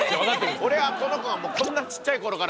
俺はこの子がこんなちっちゃい頃から知ってんのよ。